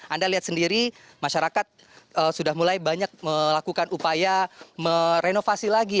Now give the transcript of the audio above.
anda lihat sendiri masyarakat sudah mulai banyak melakukan upaya merenovasi lagi